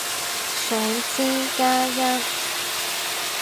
想知，加一